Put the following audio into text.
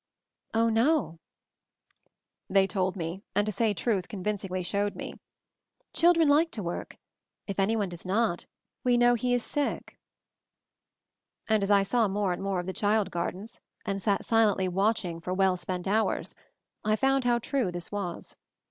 "Oh, no," they told me ; and, to say truth, convincingly showed me. "Children like to work. If any one does not, we know he is sick." And as I saw more and more of the child gardens, and sat silently watching for well 218 MOVING THE MOUNTAIN spent hours, I found how true this was.